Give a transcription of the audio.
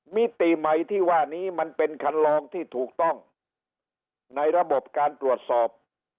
มิติใหม่ที่ว่านี้มันเป็นคันลองที่ถูกต้องในระบบการตรวจสอบ